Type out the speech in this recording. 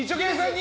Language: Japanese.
に